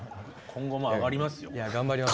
今後も上がります？！